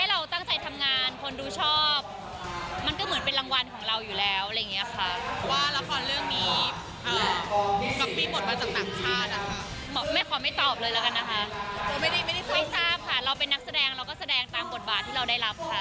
แล้วก็ทำหน้าที่ของเราอย่างเต็มที่ค่ะ